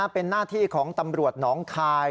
เป็นหน้าที่ของตำรวจหนองคาย